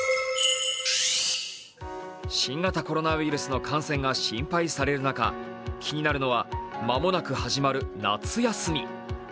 新型コロナウイルスの感染が心配される中、気になるのは間もなく始まる夏休み。